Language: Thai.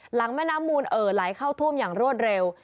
แม่น้ำมูลเอ่อไหลเข้าท่วมอย่างรวดเร็ว